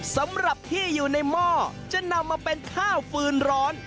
สำหรับที่อยู่ในหม้อจะนำมาเป็นข้าวฟืนร้อน